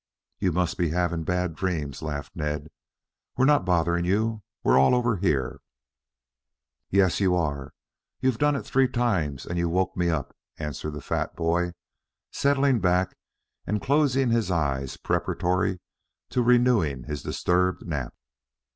"You must be having bad dreams," laughed Ned. "We are not bothering you. We're all over here." "Yes, you are. You've done it three times and you woke me up," answered the fat boy, settling back and closing his eyes preparatory to renewing his disturbed nap.